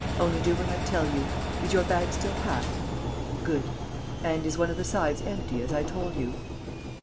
Only, do what I tell you. Is your bag still packed?... Good. And is one of the sides empty, as I told you?...